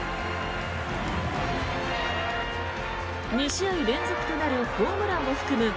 ２試合連続となるホームランを含む